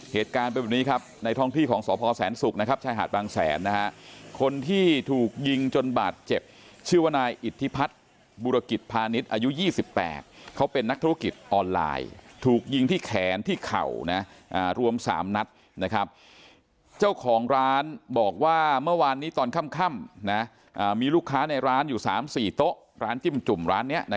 เหตุการณ์เป็นแบบนี้ครับในท้องที่ของสพแสนศุกร์นะครับชายหาดบางแสนนะฮะคนที่ถูกยิงจนบาดเจ็บชื่อว่านายอิทธิพัฒน์บุรกิจพาณิชย์อายุ๒๘เขาเป็นนักธุรกิจออนไลน์ถูกยิงที่แขนที่เข่านะรวม๓นัดนะครับเจ้าของร้านบอกว่าเมื่อวานนี้ตอนค่ำนะมีลูกค้าในร้านอยู่๓๔โต๊ะร้านจิ้มจุ่มร้านนี้